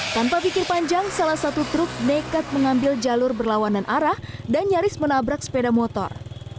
tanpa pikir panjang salah satu truk nekat mengambil jalur berlawanan arah dan nyaris menabrak sepeda motor